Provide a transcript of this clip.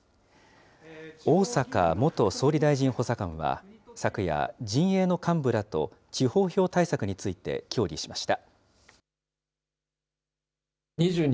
逢坂元総理大臣補佐官は昨夜、陣営の幹部らと地方票対策について協議しました。